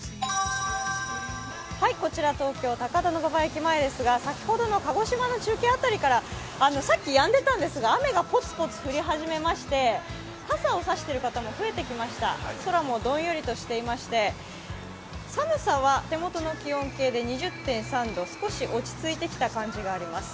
こちら東京・高田馬場駅前ですが先ほどの鹿児島の中継辺りからさっきやんでたんですが、雨がぽつぽつ降り始めまして傘を差している方も増えてきました、空もどんよりとしていまして寒さは手元の気温計で２０．３度、少し落ち着いてきた感じがあります。